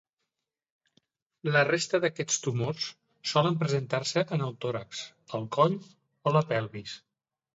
La resta d’aquests tumors solen presentar-se en el tòrax, el coll o la pelvis.